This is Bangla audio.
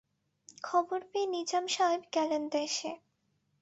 খবর পেয়ে নিজাম সাহেব গেলেন দেশে।